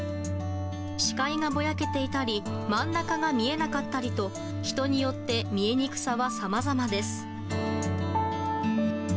視界がぼやけていたり真ん中が見えなかったりと人によって見えにくさはさまざまです。